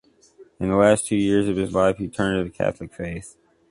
In the last two years of his life he turned to the Catholic faith.